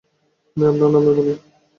আমি আপনার নামে বলি।